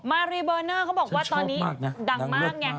มารีเบอร์เนอร์เขาบอกว่าตอนนี้ดังมากไง